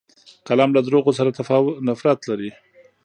قلم له دروغو سره نفرت لري